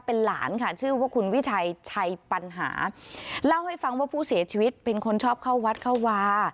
เป็นหลานค่ะชื่อว่าคุณวิชัยชัยปัญหาเล่าให้ฟังว่าผู้เสียชีวิตเป็นคนชอบเข้าวัดเข้าวา